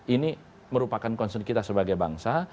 ini merupakan concern kita sebagai bangsa